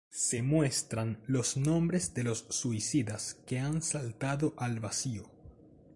Se muestran los nombres de los suicidas que han saltado al vacío.